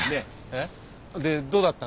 えっ？